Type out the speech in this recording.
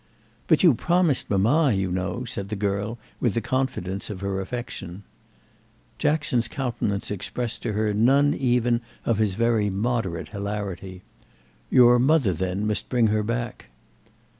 "But you promised mamma, you know," said the girl with the confidence of her affection. Jackson's countenance expressed to her none even of his very moderate hilarity. "Your mother, then, must bring her back."